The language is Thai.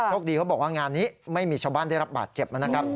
คดีเขาบอกว่างานนี้ไม่มีชาวบ้านได้รับบาดเจ็บนะครับ